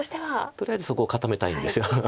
とりあえずそこを固めたいんです。